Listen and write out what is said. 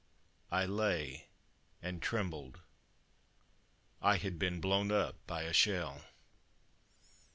I lay and trembled ... I had been blown up by a shell.